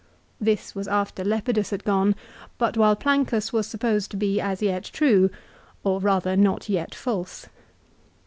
* This was after Lepidus had gone, but while Plancus was supposed to be as yet true, or rather not yet false.